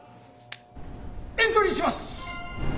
エントリーします。